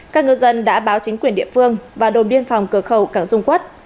các ngư dân đã báo chính quyền địa phương và đồn biên phòng cửa khẩu cảng dung quốc